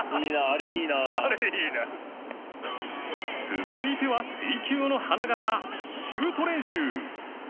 続いては水球の花形シュート練習